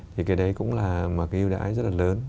thì cái đấy cũng là một cái ưu đãi rất là lớn